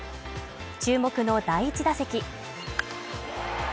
注目の第１打席。